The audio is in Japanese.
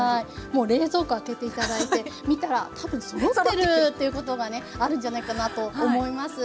もう冷蔵庫開けて頂いて見たら多分そろってるっていうことがねあるんじゃないかなと思います。